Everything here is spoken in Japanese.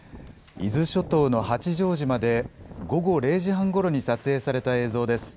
伊豆諸島の八丈島で午後０時半ごろに撮影された映像です。